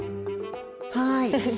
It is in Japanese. はい。